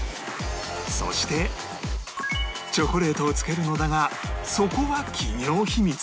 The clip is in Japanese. そしてチョコレートをつけるのだがそこは企業秘密